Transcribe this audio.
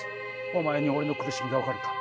お前に俺の苦しみが分かるか？